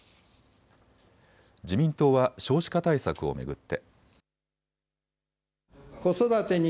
自民党は少子化対策を巡って。